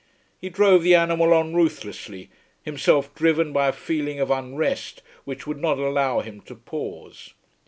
He drove the animal on ruthlessly, himself driven by a feeling of unrest which would not allow him to pause.